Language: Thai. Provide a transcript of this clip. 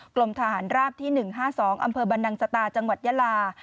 กรมทหารราบที่๑๕๒อำเภอบรรนังสตาจังหวัดยาลา